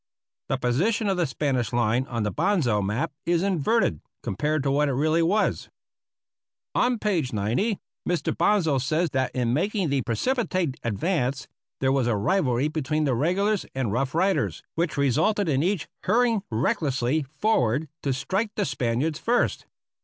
The position of the Spanish line on the Bonsal map is inverted compared to what it really was. On page 90 Mr. Bonsal says that in making the "precipitate advance" there was a rivalry between the regulars and Rough Riders, which resulted in each hurrying recklessly forward to strike the Spaniards first.